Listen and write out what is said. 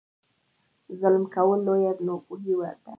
ظلم کول لویه ناپوهي ده.